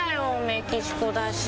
メキシコだし。